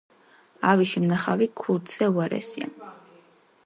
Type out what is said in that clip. ავი შემნახავი ქურდზე უარესია